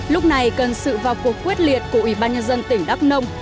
lúc này cần sự vào cuộc quyết liệt của ủy ban nhân dân tỉnh đắk nông